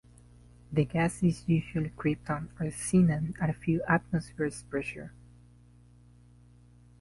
The gas is usually krypton or xenon at a few atmospheres pressure.